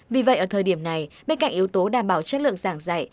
vì vậy ở thời điểm này bên cạnh yếu tố đảm bảo chất lượng giảng dạy